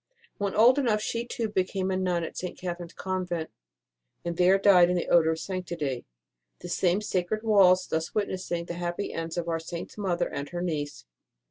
When old enough, she too became a nun in St. Catherine s Convent, and there died in the odour of sanctity, the same sacred walls thus witnessing the happy ends of our Saint s mother and her niece.